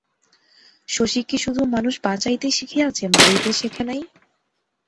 শশী কি শুধু মানুষ বাঁচাইতে শিখিয়াছে, মারিতে শেখে নাই?